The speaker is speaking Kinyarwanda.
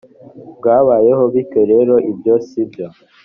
bwabayeho bityo rero ibyo si byo